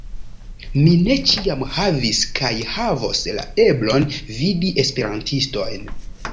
Mi ne ĉiam havis kaj havos la eblon vidi Esperantistojn.